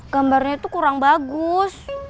gambarnya tuh kurang bagus